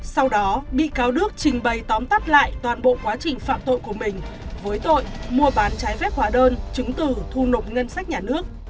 sau đó bị cáo đức trình bày tóm tắt lại toàn bộ quá trình phạm tội của mình với tội mua bán trái phép hóa đơn chứng từ thu nộp ngân sách nhà nước